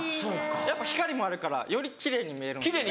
やっぱ光もあるからより奇麗に見える。